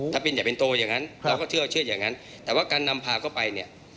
ถ้าเป็นอย่าเป็นโตอย่างนั้นเราก็เชื่ออย่างนั้นแต่ว่าการนำพาเข้าไปเนี่ย